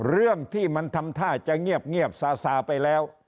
เรื่องที่มันทำท่าจะเงียบซาซาไปแล้ว